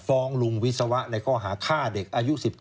ลุงวิศวะในข้อหาฆ่าเด็กอายุ๑๙